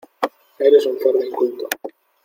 Eres un cerdo inculto.